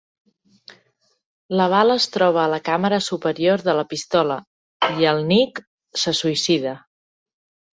La bala es troba a la càmera superior de la pistola i el Nick se suïcida.